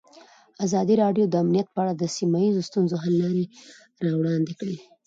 ازادي راډیو د امنیت په اړه د سیمه ییزو ستونزو حل لارې راوړاندې کړې.